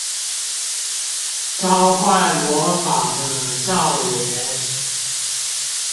召喚魔法的少年